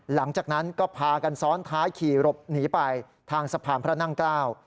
หลังจากนั้นก็พากันซ้อนท้ายขี่หลบหนีไปทางสะพานพระนั่งเกล้า